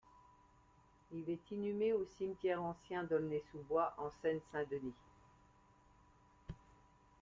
Il est inhumé au cimetière ancien d'Aulnay-sous-Bois en Seine-Saint-Denis.